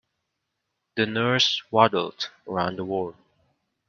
The nurse waddled around the ward.